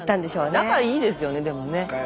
仲いいですよねでもね。